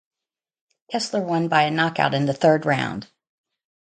Kessler won by a knockout in the third round.